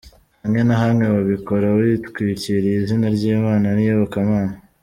Hamwe na hamwe babikora bitwikiriye izina ry’Imana n’iyobokamana.